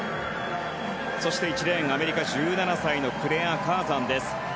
そして１レーンアメリカ、１７歳のクレア・カーザンです。